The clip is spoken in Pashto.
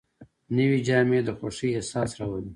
نوې جامې د خوښۍ احساس راولي